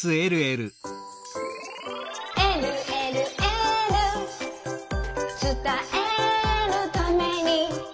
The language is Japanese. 「えるえるエール」「つたえるために」